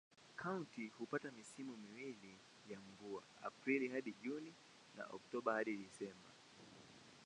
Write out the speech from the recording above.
Kaunti hupata misimu miwili ya mvua: Aprili hadi Juni na Oktoba hadi Disemba.